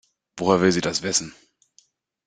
Woher will sie das wissen?